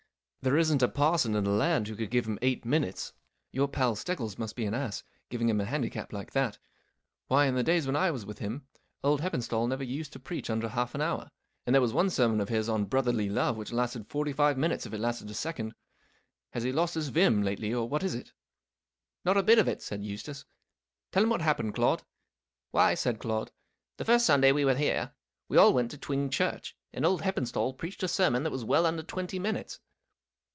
There isn't a parson in the land who could give him eight minutes. Your pal Steggles must be an ass, giving him a handicap iike that. Why, in the days when I was with him, old Heppenstali never used to preach under half an hour, and there was one sermon of his on Brotherly Love which lasted forty five minutes if it lasted a second. Has he lost his vim lately, or what is it ?" 44 Not a bit of it," said Eustace. 14 Tell him what happened, Claude." 44 Why," said Claude, 4 the first Sunday we were here, we all went to Twing church, and old Heppenstali preached a sermon that was well under twenty minutes.